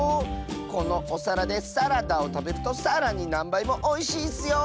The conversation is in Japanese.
このおさらで「サラ」ダをたべると「さら」になんばいもおいしいッスよ！